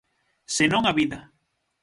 Senón a vida.